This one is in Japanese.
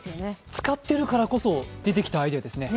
使っているからこそ出てきたアイデアですね。